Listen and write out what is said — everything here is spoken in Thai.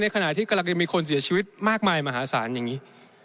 ขณะที่กำลังจะมีคนเสียชีวิตมากมายมหาศาลอย่างนี้